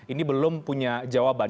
ini belum punya jawaban